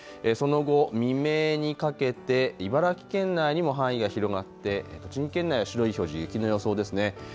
その後未明にかけて茨城県内にも範囲が広がって、栃木県内は白い表示、雪の予想ですね。